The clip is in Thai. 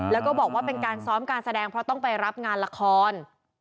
แล้วก็บอกว่าเป็นการซ้อมการแสดงเพราะต้องไปรับงานละคร